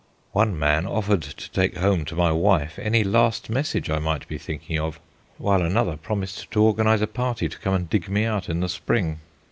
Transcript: One man offered to take home to my wife any last message I might be thinking of, while another promised to organise a party to come and dig me out in the spring.